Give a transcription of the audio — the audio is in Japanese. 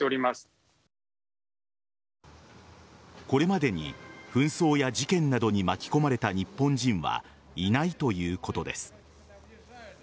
これまでに、紛争や事件などに巻き込まれた日本人はいないということです。